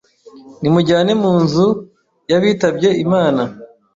ni mujyane mu nzu y'abitabye Imana